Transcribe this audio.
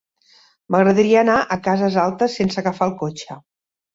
M'agradaria anar a Cases Altes sense agafar el cotxe.